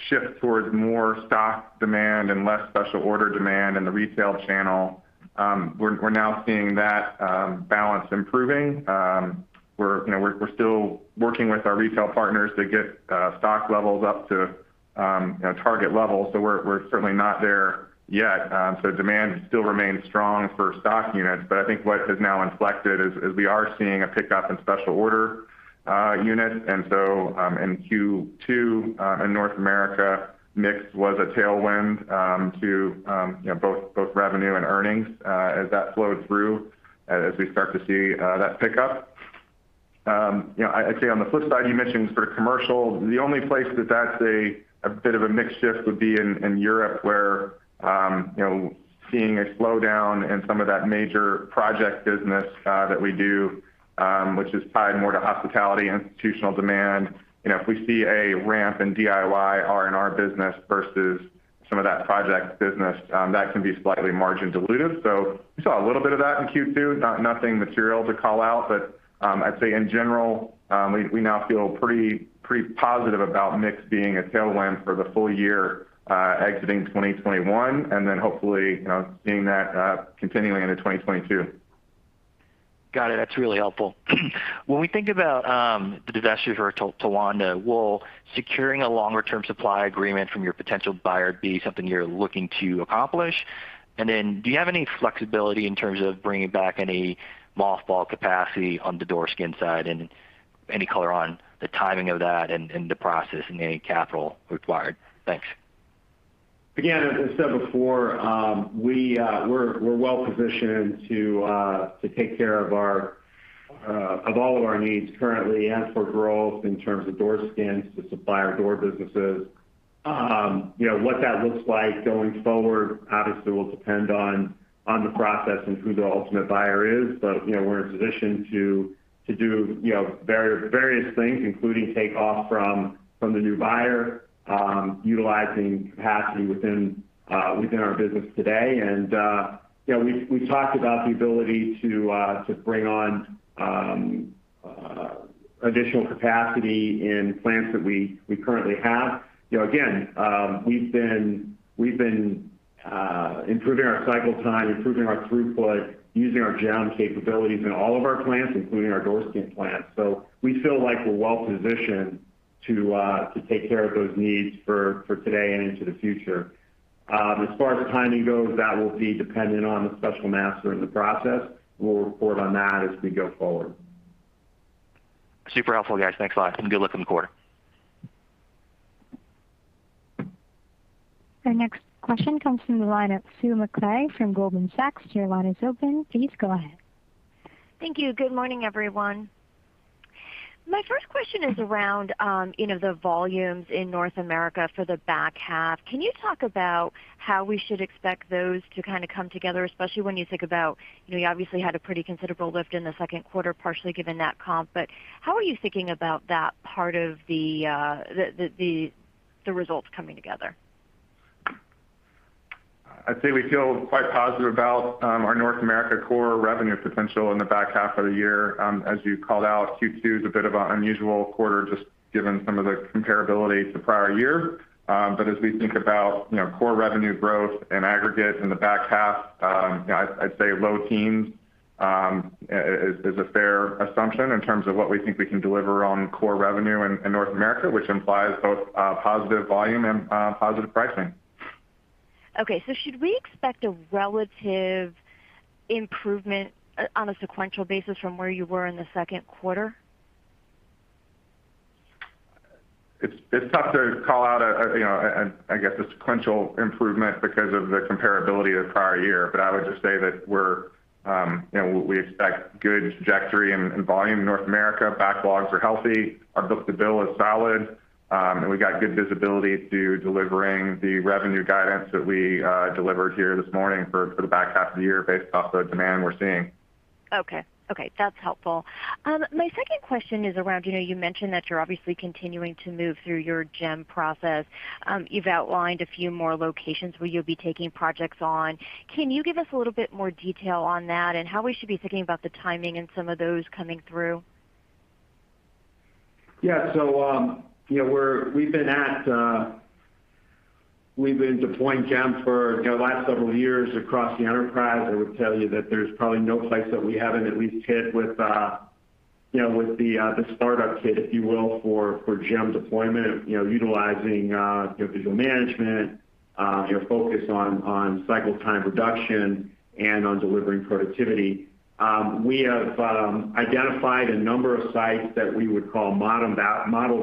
shift towards more stock demand and less special order demand in the retail channel. We're now seeing that balance improving. We're still working with our retail partners to get stock levels up to target levels. We're certainly not there yet. Demand still remains strong for stock units. I think what has now inflected is we are seeing a pickup in special order units. In Q2 in North America, mix was a tailwind to both revenue and earnings as that flowed through, as we start to see that pickup. I'd say on the flip side, you mentioned for commercial, the only place that that's a bit of a mix shift would be in Europe where seeing a slowdown in some of that major project business that we do, which is tied more to hospitality, institutional demand. If we see a ramp in DIY R&R business versus some of that project business, that can be slightly margin dilutive. We saw a little bit of that in Q2, nothing material to call out. I'd say in general, we now feel pretty positive about mix being a tailwind for the full year exiting 2021, and then hopefully seeing that continuing into 2022. Got it. That's really helpful. When we think about the divestiture of Towanda, will securing a longer-term supply agreement from your potential buyer be something you're looking to accomplish? Do you have any flexibility in terms of bringing back any mothball capacity on the door skin side, and any color on the timing of that and the process and any capital required? Thanks. As I said before, we're well positioned to take care of all of our needs currently and for growth in terms of door skins to supply our door businesses. What that looks like going forward obviously will depend on the process and who the ultimate buyer is. We're in a position to do various things, including take off from the new buyer, utilizing capacity within our business today. We've talked about the ability to bring on additional capacity in plants that we currently have. We've been improving our cycle time, improving our throughput, using our JEM capabilities in all of our plants, including our Goldstein plant. We feel like we're well-positioned to take care of those needs for today and into the future. As far as timing goes, that will be dependent on the special master in the process. We'll report on that as we go forward. Super helpful, guys. Thanks a lot, and good luck in the quarter. Our next question comes from the line of Susan Maklari from Goldman Sachs. Your line is open. Please go ahead. Thank you. Good morning, everyone. My first question is around the volumes in North America for the back half. Can you talk about how we should expect those to kind of come together, especially when you think about, you obviously had a pretty considerable lift in the 2nd quarter, partially given that comp, but how are you thinking about that part of the results coming together? I'd say we feel quite positive about our North America core revenue potential in the back half of the year. As you called out, Q2's a bit of an unusual quarter, just given some of the comparability to prior year. As we think about core revenue growth and aggregate in the back half, I'd say low teens is a fair assumption in terms of what we think we can deliver on core revenue in North America, which implies both positive volume and positive pricing. Okay. Should we expect a relative improvement on a sequential basis from where you were in the second quarter? It's tough to call out, I guess, a sequential improvement because of the comparability of the prior year. I would just say that we expect good trajectory and volume in North America. Backlogs are healthy. Our book-to-bill is solid. We got good visibility to delivering the revenue guidance that we delivered here this morning for the back half of the year based off the demand we're seeing. That's helpful. My second question is around, you mentioned that you're obviously continuing to move through your JEM process. You've outlined a few more locations where you'll be taking projects on. Can you give us a little bit more detail on that and how we should be thinking about the timing and some of those coming through? We've been deploying JEM for the last several years across the enterprise. I would tell you that there's probably no place that we haven't at least hit with the startup kit, if you will, for JEM deployment, utilizing your visual management, your focus on cycle time reduction, and on delivering productivity. We have identified a number of sites that we would call model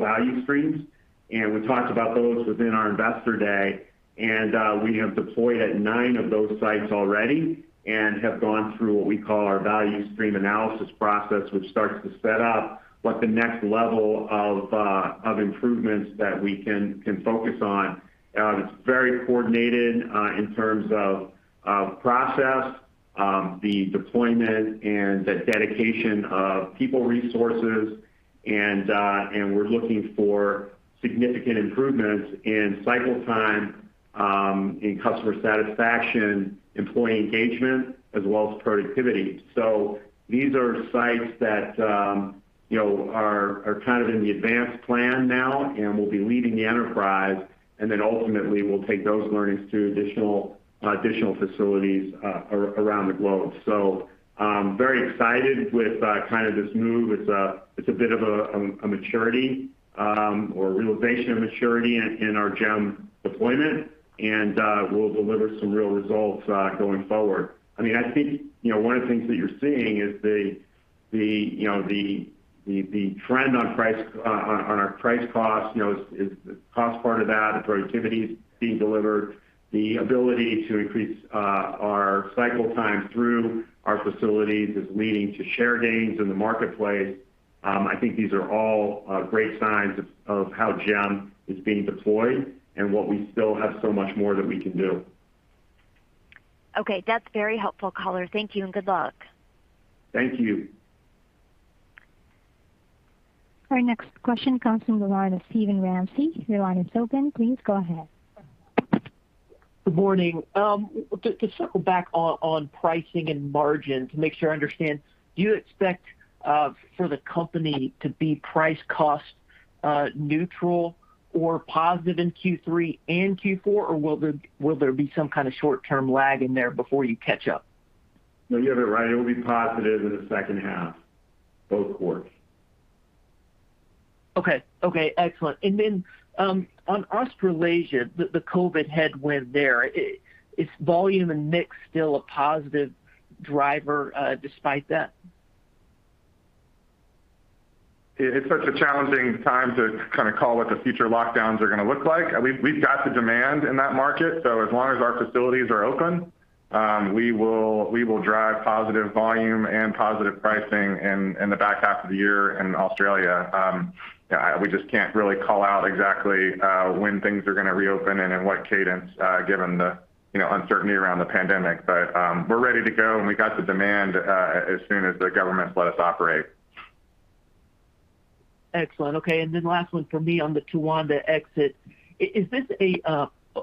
value streams, we talked about those within our investor day. We have deployed at nine of those sites already and have gone through what we call our Value Stream Analysis process, which starts to set up what the next level of improvements that we can focus on. It's very coordinated in terms of process, the deployment, and the dedication of people resources, and we're looking for significant improvements in cycle time, in customer satisfaction, employee engagement, as well as productivity. These are sites that are kind of in the advanced plan now and will be leading the enterprise, and then ultimately, we'll take those learnings to additional facilities around the globe. Very excited with kind of this move. It's a bit of a maturity or realization of maturity in our JEM deployment. We'll deliver some real results going forward. I think one of the things that you're seeing is the trend on our price cost, the cost part of that, the productivity being delivered, the ability to increase our cycle time through our facilities is leading to share gains in the marketplace. I think these are all great signs of how JEM is being deployed and what we still have so much more that we can do. Okay. That's very helpful color. Thank you, and good luck. Thank you. Our next question comes from the line of Steven Ramsey. Your line is open. Please go ahead. Good morning. To circle back on pricing and margins, to make sure I understand, do you expect for the company to be price-cost neutral or positive in Q3 and Q4, or will there be some kind of short-term lag in there before you catch up? No, you have it right. It will be positive in the second half. Both quarters. Okay. Excellent. On Australasia, the COVID headwind there, is volume and mix still a positive driver despite that? It's such a challenging time to kind of call what the future lockdowns are going to look like. We've got the demand in that market, so as long as our facilities are open, we will drive positive volume and positive pricing in the back half of the year in Australia. We just can't really call out exactly when things are going to reopen and in what cadence, given the uncertainty around the pandemic. We're ready to go, and we got the demand as soon as the governments let us operate. Excellent. Okay, last one from me on the Towanda exit. Is this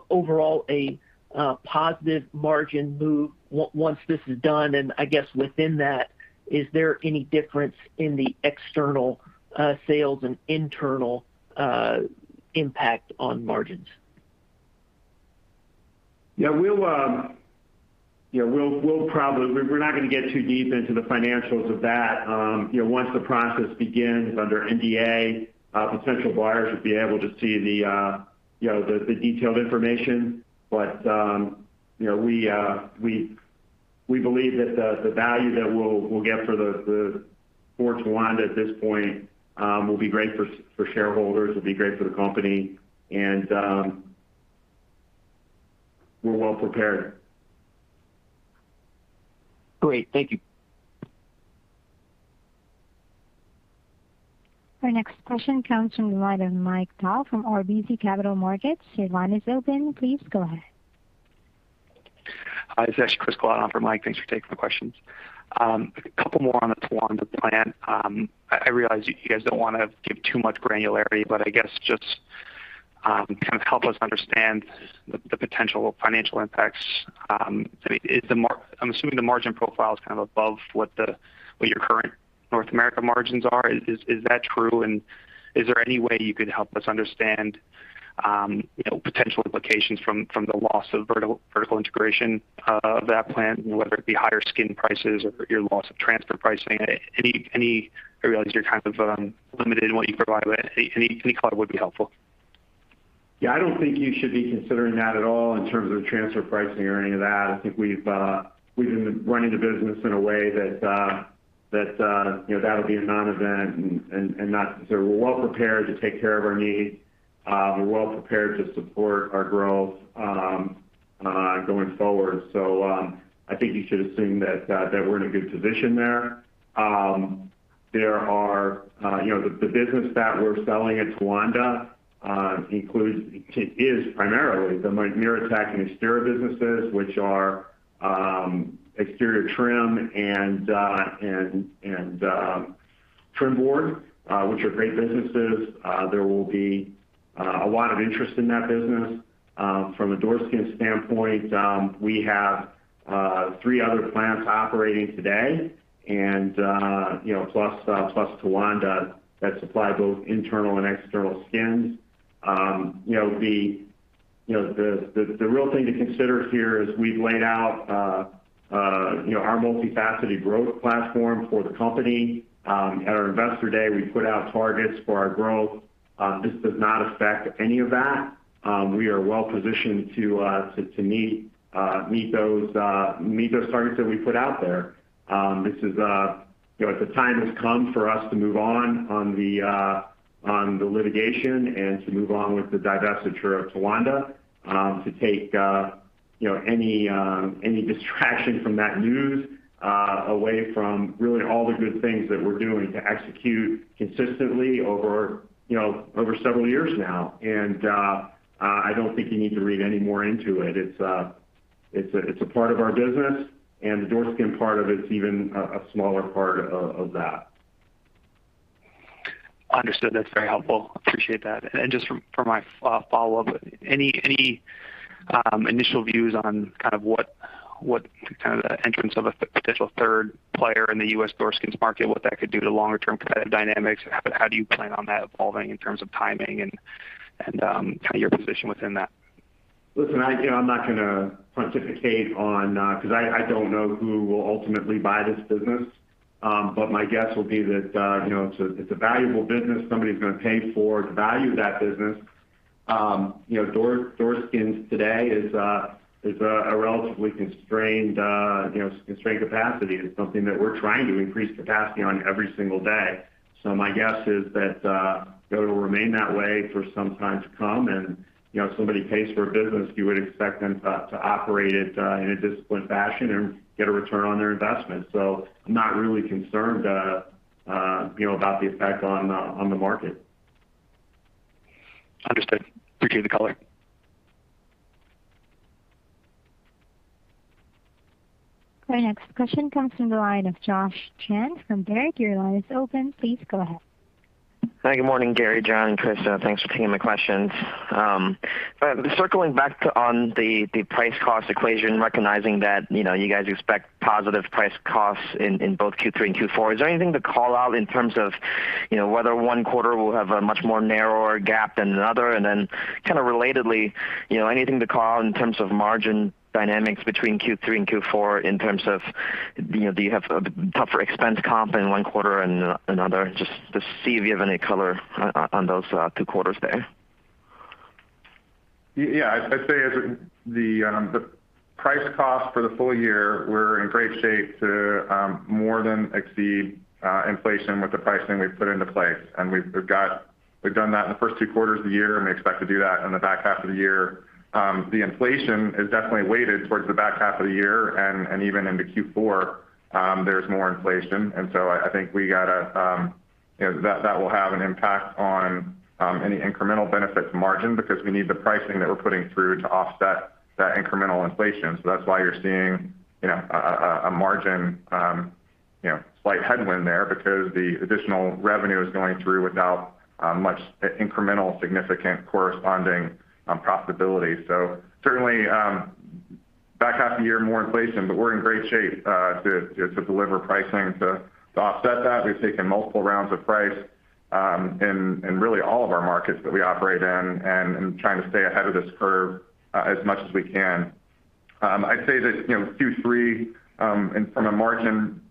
overall a positive margin move once this is done? I guess within that, is there any difference in the external sales and internal impact on margins? Yeah, we're not going to get too deep into the financials of that. Once the process begins under NDA, potential buyers will be able to see the detailed information. We believe that the value that we'll get for Towanda at this point will be great for shareholders, will be great for the company, and we're well prepared. Great. Thank you. Our next question comes from the line of Mike Dahl from RBC Capital Markets. Your line is open. Please go ahead. Hi. It's actually Chris on for Mike. Thanks for taking my questions. A couple more on the Towanda plant. I realize you guys don't want to give too much granularity, but I guess just kind of help us understand the potential financial impacts. I'm assuming the margin profile is kind of above what your current North America margins are. Is that true, and is there any way you could help us understand potential implications from the loss of vertical integration of that plant, whether it be higher skin prices or loss of transfer pricing? I realize you're kind of limited in what you provide, but any color would be helpful. Yeah, I don't think you should be considering that at all in terms of transfer pricing or any of that. I think we've been running the business in a way that that'll be a non-event, and that we're well prepared to take care of our needs. We're well prepared to support our growth going forward. I think you should assume that we're in a good position there. The business that we're selling at Towanda is primarily the MiraTEC and exterior businesses, which are exterior trim and trim board, which are great businesses. There will be a lot of interest in that business. From a door skin standpoint, we have three other plants operating today, plus Towanda, that supply both internal and external skins. The real thing to consider here is we've laid out our multifaceted growth platform for the company. At our investor day, we put out targets for our growth. This does not affect any of that. We are well positioned to meet those targets that we put out there. The time has come for us to move on the litigation and to move on with the divestiture of Towanda to take any distraction from that news away from really all the good things that we're doing to execute consistently over several years now. I don't think you need to read any more into it. It's a part of our business, and the door skins part of it is even a smaller part of that. Understood. That's very helpful. Appreciate that. Just for my follow-up, any initial views on kind of what the entrance of a potential third player in the U.S. door skins market, what that could do to longer term competitive dynamics? How do you plan on that evolving in terms of timing and kind of your position within that? Listen, I'm not going to pontificate on because I don't know who will ultimately buy this business. My guess will be that it's a valuable business. Somebody's going to pay for the value of that business. door skins today is a relatively constrained capacity. It's something that we're trying to increase capacity on every single day. My guess is that it'll remain that way for some time to come. If somebody pays for a business, you would expect them to operate it in a disciplined fashion and get a return on their investment. I'm not really concerned about the effect on the market. Understood. Appreciate the color. Our next question comes from the line of Josh Chan from Baird. Hi. Good morning, Gary, John, and Chris Teachout. Thanks for taking my questions. Circling back on the price cost equation, recognizing that you guys expect positive price costs in both Q3 and Q4, is there anything to call out in terms of whether one quarter will have a much more narrower gap than another? Then kind of relatedly, anything to call out in terms of margin dynamics between Q3 and Q4 in terms of, do you have a tougher expense comp in one quarter than another? Just to see if you have any color on those two quarters there. Yeah. I'd say the price cost for the full year, we're in great shape to more than exceed inflation with the pricing we've put into place. We've done that in the first two quarters of the year, and we expect to do that in the back half of the year. The inflation is definitely weighted towards the back half of the year, and even into Q4 there's more inflation. I think that will have an impact on any incremental benefits margin because we need the pricing that we're putting through to offset that incremental inflation. That's why you're seeing a margin Slight headwind there because the additional revenue is going through without much incremental significant corresponding profitability. Certainly, back half of the year, more inflation, but we're in great shape to deliver pricing to offset that. We've taken multiple rounds of price in really all of our markets that we operate in and trying to stay ahead of this curve as much as we can. I'd say that Q3 from a margin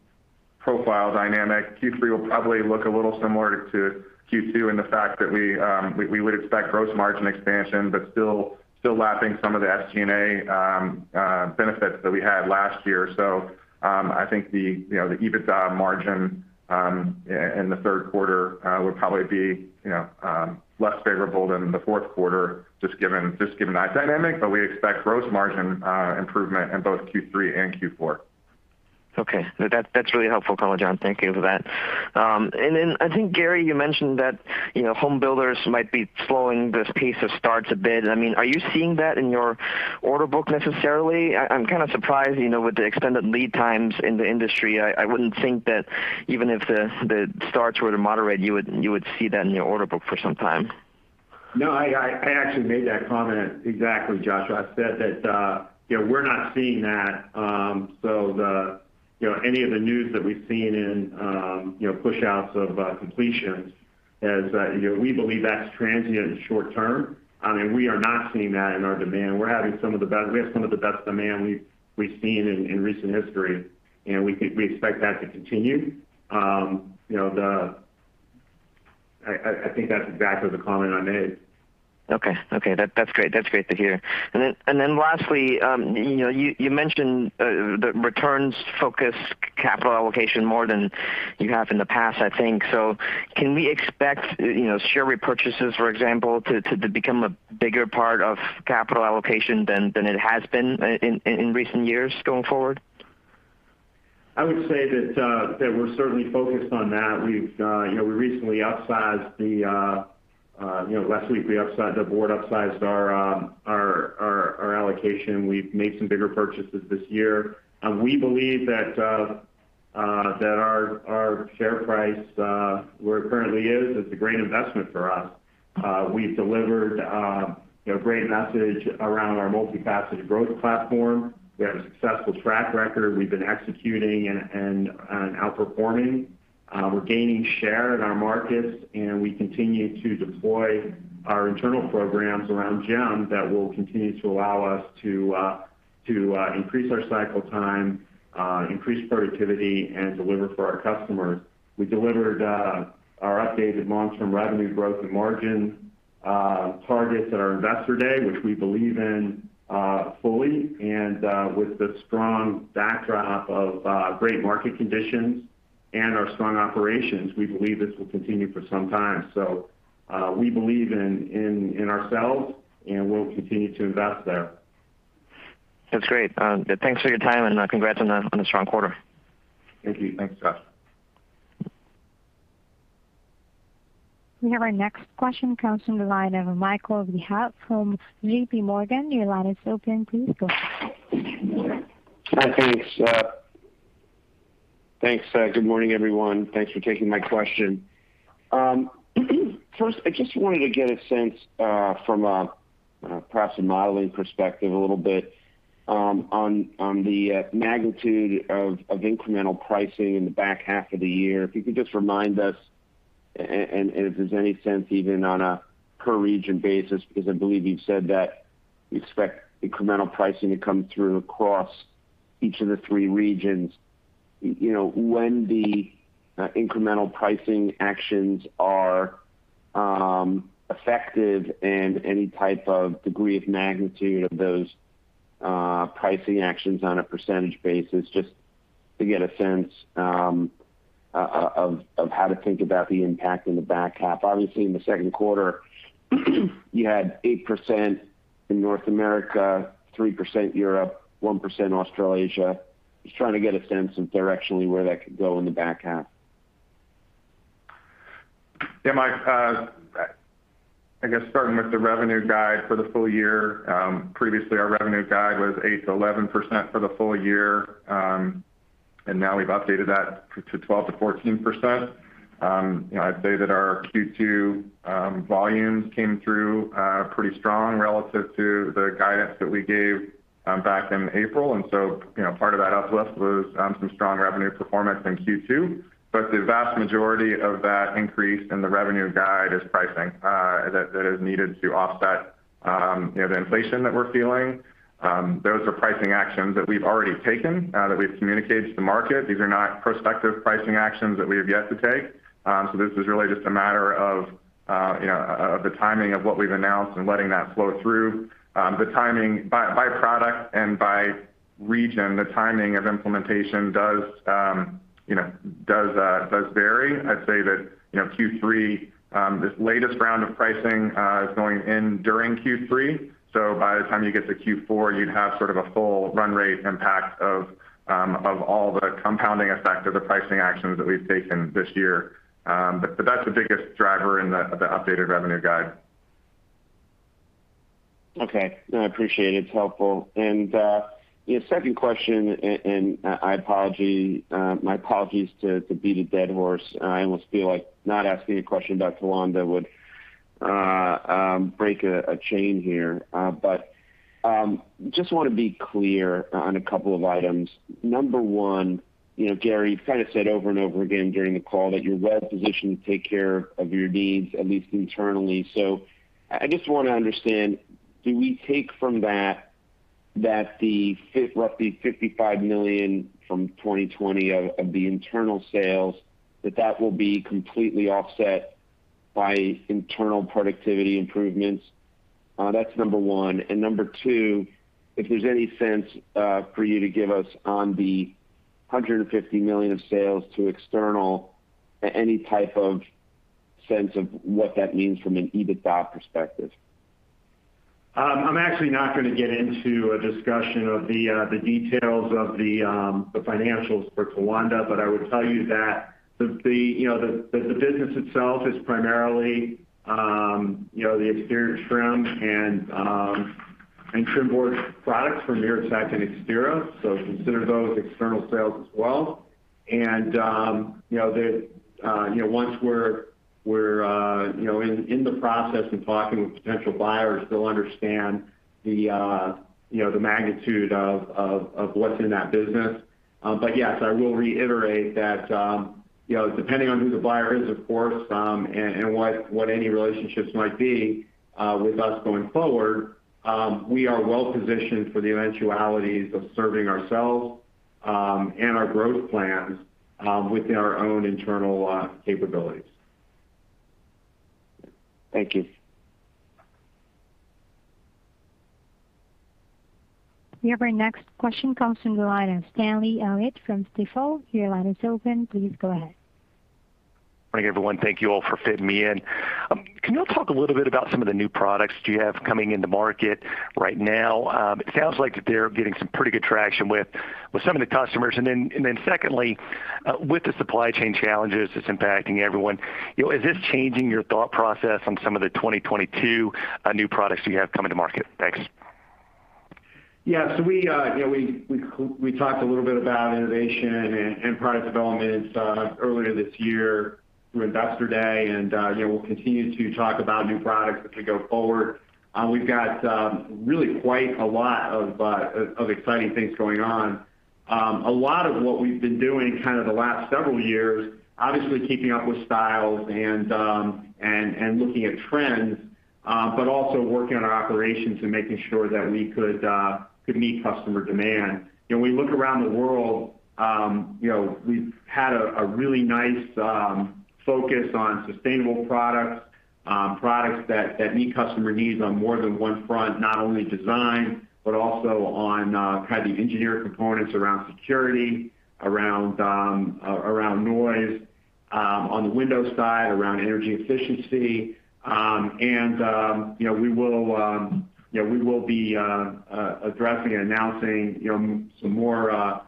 profile dynamic, Q3 will probably look a little similar to Q2 in the fact that we would expect gross margin expansion, but still lapping some of the SG&A benefits that we had last year. I think the EBITDA margin in the third quarter will probably be less favorable than the fourth quarter, just given that dynamic. We expect gross margin improvement in both Q3 and Q4. Okay. That's really helpful, John. Thank you for that. I think, Gary, you mentioned that home builders might be slowing this pace of starts a bit. Are you seeing that in your order book necessarily? I'm kind of surprised with the extended lead times in the industry. I wouldn't think that even if the starts were to moderate, you would see that in your order book for some time. No, I actually made that comment exactly, Joshua. I said that we're not seeing that. Any of the news that we've seen in push outs of completions, we believe that's transient and short term. We are not seeing that in our demand. We have some of the best demand we've seen in recent history, and we expect that to continue. I think that's exactly the comment I made. Okay. That's great to hear. Lastly, you mentioned the returns-focused capital allocation more than you have in the past, I think. Can we expect share repurchases, for example, to become a bigger part of capital allocation than it has been in recent years going forward? I would say that we're certainly focused on that. Last week, the board upsized our allocation. We've made some bigger purchases this year. We believe that our share price, where it currently is a great investment for us. We've delivered a great message around our multi-faceted growth platform. We have a successful track record. We've been executing and outperforming. We're gaining share in our markets, and we continue to deploy our internal programs around JEM that will continue to allow us to increase our cycle time, increase productivity, and deliver for our customers. We delivered our updated long-term revenue growth and margin targets at our investor day, which we believe in fully. With the strong backdrop of great market conditions and our strong operations, we believe this will continue for some time. We believe in ourselves, and we'll continue to invest there. That's great. Thanks for your time, and congrats on a strong quarter. Thank you. Thanks, Josh. We have our next question comes from the line of Michael Rehaut from JPMorgan. Your line is open, please go ahead. Thanks. Good morning, everyone. Thanks for taking my question. First, I just wanted to get a sense from perhaps a modeling perspective a little bit on the magnitude of incremental pricing in the back half of the year. If there's any sense even on a per-region basis, because I believe you've said that you expect incremental pricing to come through across each of the 3 regions. When the incremental pricing actions are effective and any type of degree of magnitude of those pricing actions on a percentage basis, just to get a sense of how to think about the impact in the back half. Obviously, in the second quarter, you had 8% in North America, 3% Europe, 1% Australasia. Just trying to get a sense of directionally where that could go in the back half. Yeah, Mike. I guess starting with the revenue guide for the full year, previously our revenue guide was 8%-11% for the full year, now we've updated that to 12%-14%. I'd say that our Q2 volumes came through pretty strong relative to the guidance that we gave back in April. Part of that uplift was some strong revenue performance in Q2. The vast majority of that increase in the revenue guide is pricing that is needed to offset the inflation that we're feeling. Those are pricing actions that we've already taken, that we've communicated to the market. These are not prospective pricing actions that we have yet to take. This is really just a matter of the timing of what we've announced and letting that flow through. By product and by region, the timing of implementation does vary. I'd say that Q3, this latest round of pricing is going in during Q3. By the time you get to Q4, you'd have sort of a full run rate impact of all the compounding effect of the pricing actions that we've taken this year. That's the biggest driver in the updated revenue guide. Okay. No, I appreciate it. It's helpful. The second question, and my apologies to beat a dead horse. I almost feel like not asking a question about Towanda would break a chain here. Just want to be clear on a couple of items. Number one, Gary, you kind of said over and over again during the call that you're well positioned to take care of your needs, at least internally. I just want to understand, do we take from that the roughly $55 million from 2020 of the internal sales, that will be completely offset by internal productivity improvements? That's number one. Number two, if there's any sense for you to give us on the $150 million of sales to external, any type of sense of what that means from an EBITDA perspective? I'm actually not going to get into a discussion of the details of the financials for Towanda, but I would tell you that the business itself is primarily the exterior trim and trim board products from MiraTEC and Extira. Consider those external sales as well. Once we're in the process and talking with potential buyers, they'll understand the magnitude of what's in that business. Yes, I will reiterate that depending on who the buyer is, of course, and what any relationships might be with us going forward, we are well positioned for the eventualities of serving ourselves and our growth plans with our own internal capabilities. Thank you. We have our next question comes from the line of Stanley Elliott from Stifel. Your line is open. Please go ahead. Morning, everyone. Thank you all for fitting me in. Can you all talk a little bit about some of the new products that you have coming into market right now? It sounds like that they're getting some pretty good traction with some of the customers. Secondly, with the supply chain challenges that's impacting everyone, is this changing your thought process on some of the 2022 new products you have coming to market? Thanks. Yeah. We talked a little bit about innovation and product developments earlier this year through Investor Day. We'll continue to talk about new products as we go forward. We've got really quite a lot of exciting things going on. A lot of what we've been doing kind of the last several years, obviously keeping up with styles and looking at trends, but also working on our operations and making sure that we could meet customer demand. We look around the world, we've had a really nice focus on sustainable products that meet customer needs on more than one front, not only design, but also on kind of the engineering components around security, around noise, on the window side, around energy efficiency. We will be addressing and announcing some more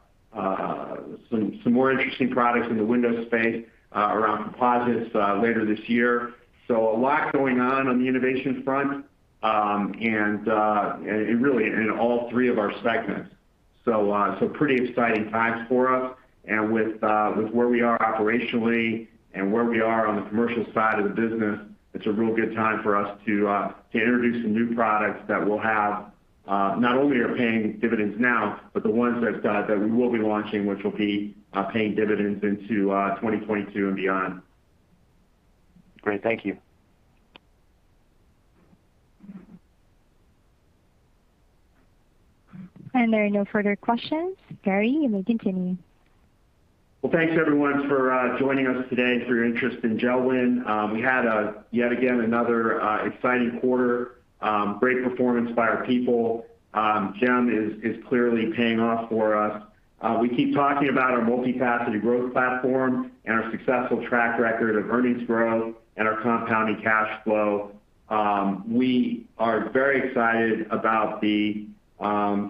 interesting products in the window space around composites later this year. A lot going on on the innovation front, and really in all three of our segments. Pretty exciting times for us. With where we are operationally and where we are on the commercial side of the business, it's a real good time for us to introduce some new products that not only are paying dividends now, but the ones that we will be launching, which will be paying dividends into 2022 and beyond. Great. Thank you. There are no further questions. Gary, you may continue. Well, thanks everyone for joining us today and for your interest in JELD-WEN. We had, yet again, another exciting quarter. Great performance by our people. JEM is clearly paying off for us. We keep talking about our multifaceted growth platform and our successful track record of earnings growth and our compounding cash flow. We are very excited about the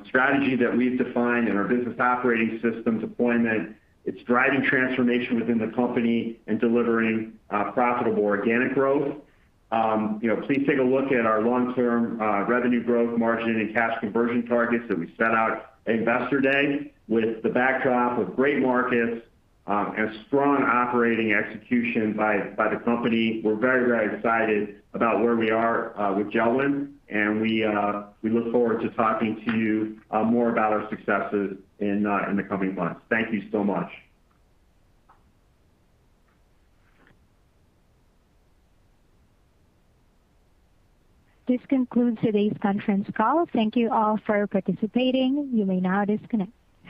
strategy that we've defined in our business operating systems deployment. It's driving transformation within the company and delivering profitable organic growth. Please take a look at our long-term revenue growth margin and cash conversion targets that we set out Investor Day. With the backdrop of great markets and strong operating execution by the company, we're very excited about where we are with JELD-WEN, and we look forward to talking to you more about our successes in the coming months. Thank you so much. This concludes today's conference call. Thank you all for participating. You may now disconnect.